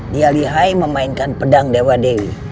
dia lihai memainkan pedang dewa dewi